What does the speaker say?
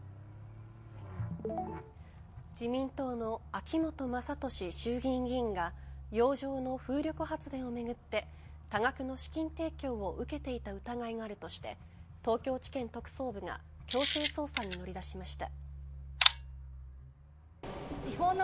自民党の秋本真利衆議院議員が洋上の風力発電をめぐって多額の資金提供を受けていた疑いがあるとして東京地検特捜部が強制捜査に乗り出しました。